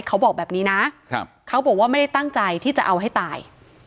เขาบอกแบบนี้นะเขาบอกว่าไม่ได้ตั้งใจที่จะเอาให้ตาย